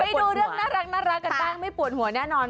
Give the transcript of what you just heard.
ไปดูเรื่องน่ารักกันบ้างไม่ปวดหัวแน่นอน